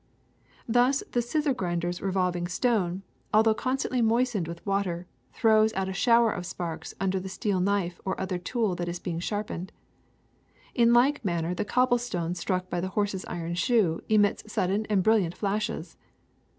Thus the scissors grinder 's revolving stone, although 108 THE SECRET OF EVERYDAY THINGS constantly moistened with water, throws out a shower of sparks under the steel knife or other tool that is being sharpened. In like manner the cobble stone struck by the horse's iron shoe emits sudden and brilliant flashes.